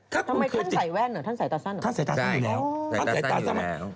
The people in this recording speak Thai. ก็ทำไมท่านใส่แว่นเหรอท่านใส่ตาสั้นเหรอท่านใส่ตาสั้นอยู่แล้วท่านใส่ตาสั้น